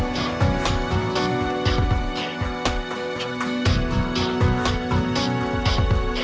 passar sebagai pengang